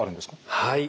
はい。